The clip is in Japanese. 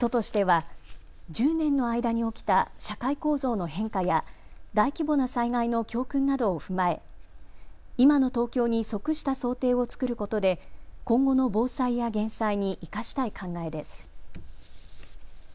都としては１０年の間に起きた社会構造の変化や大規模な災害の教訓などを踏まえ今の東京に即した想定を作ることで今後の防災や減災に生かしたい考えです。